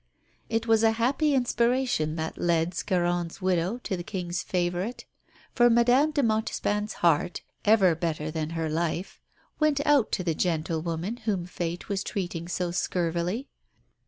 It was a happy inspiration that led Scarron's widow to the King's favourite, for Madame de Montespan's heart, ever better than her life, went out to the gentle woman whom fate was treating so scurvily.